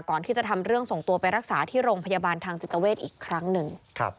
ก่อนที่จะทำเรื่องส่งตัวไปรักษาที่โรงพยาบาลทางจิตเวทอีกครั้งหนึ่ง